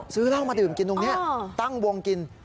ซื้อเหล้ามาดื่มกินตรงนี้ตั้งวงกิน